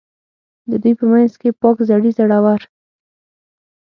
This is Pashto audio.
د دوی په منځ کې پاک زړي، زړه ور.